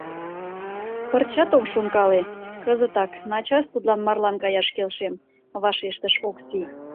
— Пырчат ом шонкале — кызытак, начас тудлан марлан каяш келшем, — вашештыш Окси.